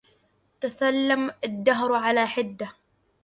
تثلم الدهرُ على حده